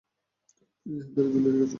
পুড়িয়ে হ্যাঙ্গারে ঝুলিয়ে রেখেছো।